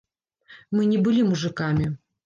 Мы не былі мужыкамі.